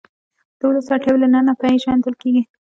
د ولس اړتیاوې له ننه پېژندل کېږي.